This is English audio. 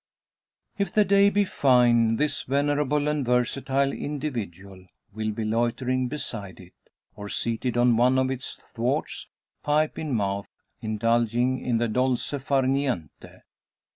If the day be fine this venerable and versatile individual will be loitering beside it, or seated on one of its thwarts, pipe in mouth, indulging in the dolce far niente.